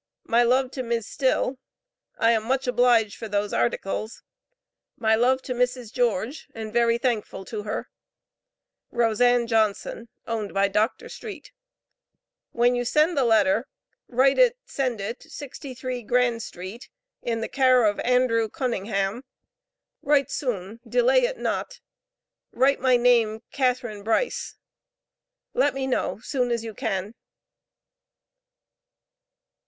My lov to Mis Still i am much oblige for those articales. My love to mrs george and verry thankful to her Rosean Johnson oned by docter Street when you cend the letter rite it Cend it 63 Gran St in the car of andrue Conningham rite swon dela it not write my name Cathrin Brice. Let me know swon as you can.